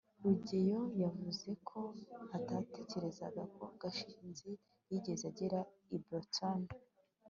rugeyo yavuze ko atatekerezaga ko gashinzi yigeze agera i boston